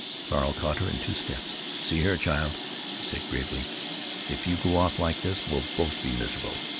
Carl caught her, in two steps. "See here, child," he said, gravely, "if you go off like this we'll both be miserable....